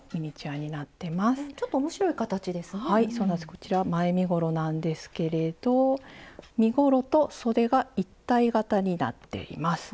こちら前身ごろなんですけれど身ごろとそでが一体型になっています。